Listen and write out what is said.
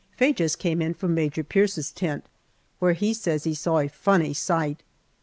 Faye just came in from Major Pierce's tent, where he says he saw a funny sight.